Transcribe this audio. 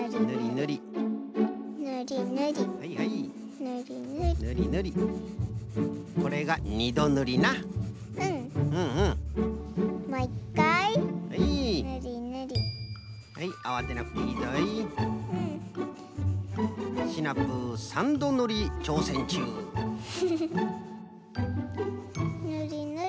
ぬりぬり。